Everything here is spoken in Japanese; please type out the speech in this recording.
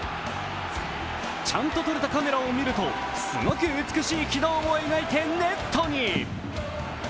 ちゃんと撮れたカメラを見るとすごく美しい軌道を描いてネットに。